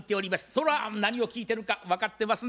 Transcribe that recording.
それは何を聴いてるか分かってますね？